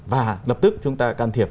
và lập tức chúng ta can thiệp